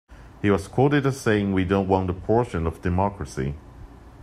He was quoted as saying, We don't want a portion of democracy.